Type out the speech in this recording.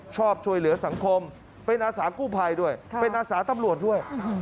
ชอบช่วยเหลือสังคมเป็นอาสากู้ภัยด้วยเป็นอาสาตำรวจด้วย